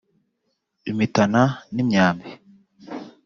imitana n’imyambi